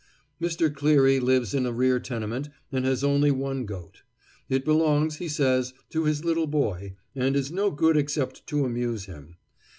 Mr. Cleary lives in a rear tenement and has only one goat. It belongs, he says, to his little boy, and is no good except to amuse him.